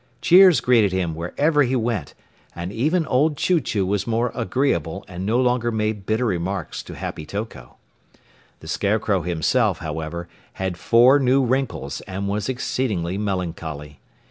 Cheers greeted him wherever he went, and even old Chew Chew was more agreeable and no longer made bitter remarks to Happy Toko. The Scarecrow himself, however, had four new wrinkles and was exceedingly melancholy.